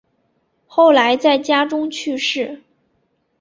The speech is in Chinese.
后来在家中去世。